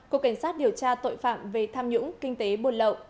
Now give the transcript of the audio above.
cục cảnh sát điều tra tội phạm về tham nhũng kinh tế buôn lậu